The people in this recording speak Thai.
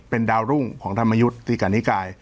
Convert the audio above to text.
เป็นดาวรุ่งของธรรมยุทธ์ตีกันนิกาย